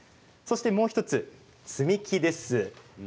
そしてもう１つ、積み木です。